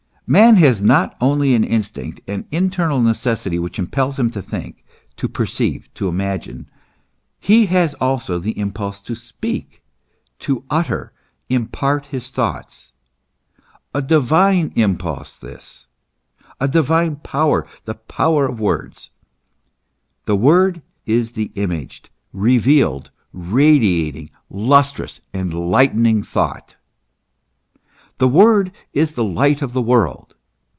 Man has not only an instinct, an internal necessity, which impels him to think, to perceive, to imagine; he has also the impulse to speak, to utter, impart his thoughts. A divine impulse this a divine power, the power of words. The word is the imaged, revealed, radiating, lustrous, enlightening thought. The word is the light of the world.